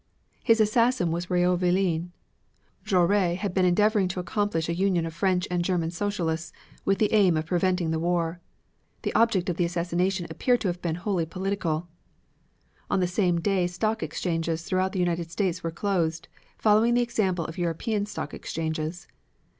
His assassin was Raoul Villein. Jaures had been endeavoring to accomplish a union of French and German Socialists with the aim of preventing the war. The object of the assassination appeared to have been wholly political. On the same day stock exchanges throughout the United States were closed, following the example of European stock exchanges.